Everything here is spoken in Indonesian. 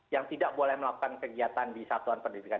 yang tidak boleh melakukan kegiatan di satuan pendidikan